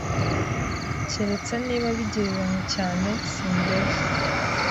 Keretse niba bigereranywa cyane simbeshya